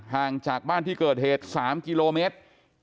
ห่างจากบ้านที่เกิดเหตุ๓กิโลเมตร